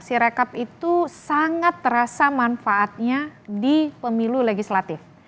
sirekap itu sangat terasa manfaatnya di pemilu legislatif